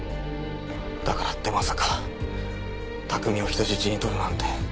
だからってまさか卓海を人質にとるなんて。